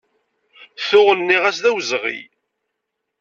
Tuɣ nniɣ-as d awezɣi.